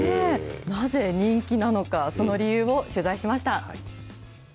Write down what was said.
なぜ、人気なのか、その理由を取材しました。